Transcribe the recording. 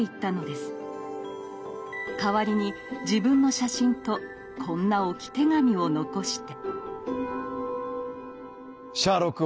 代わりに自分の写真とこんな置き手紙を残して。